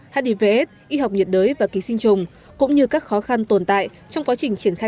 hivs y học nhiệt đới và ký sinh trùng cũng như các khó khăn tồn tại trong quá trình triển khai